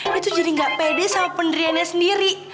dia tuh jadi gak pede sama penderiannya sendiri